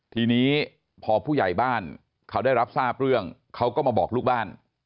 ทีนี้พอผู้ใหญ่บ้านเขาได้รับทราบเรื่องเขาก็มาบอกลูกบ้าน